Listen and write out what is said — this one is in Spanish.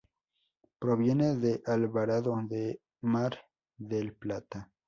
Proviene de Alvarado de Mar del Plata.